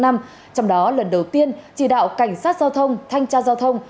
đó là lần đầu tiên chỉ đạo cảnh sát giao thông thanh tra giao thông